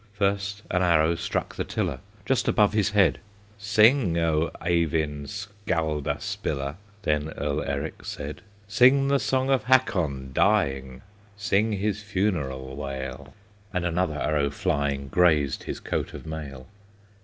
First an arrow struck the tiller, Just above his head; "Sing, O Eyvind Skaldaspiller," Then Earl Eric said. "Sing the song of Hakon dying, Sing his funeral wail!" And another arrow flying Grazed his coat of mail.